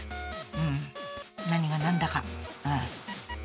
うん何が何だかうん。